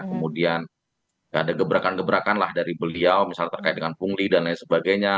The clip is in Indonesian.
kemudian ada gebrakan gebrakan lah dari beliau misalnya terkait dengan pungli dan lain sebagainya